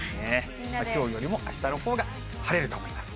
きょうよりもあしたのほうが晴れると思います。